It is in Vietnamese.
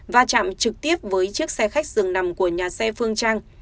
và chạm trực tiếp với chiếc xe khách dừng nằm của nhà xe phương trang